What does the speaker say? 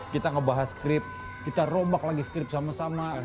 kita ngebahas skrip kita rombak lagi skrip sama sama